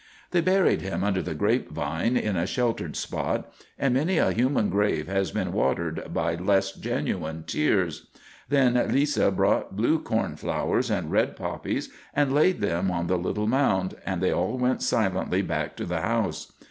They buried him under the grapevine, in a sheltered spot, and many a human grave has been watered by less genuine tears. Then Lisa brought blue cornflowers and red poppies and laid them on the little mound, and they all went silently back to the house.